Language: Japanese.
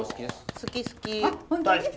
好き好き。